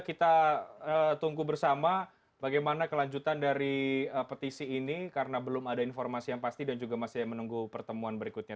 kita tunggu bersama bagaimana kelanjutan dari petisi ini karena belum ada informasi yang pasti dan juga masih menunggu pertemuan berikutnya